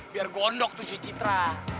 biar gondok tuh si citra